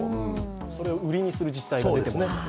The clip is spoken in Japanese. それを売りにする自治体が出てもね。